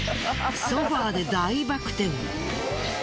ソファで大バク転。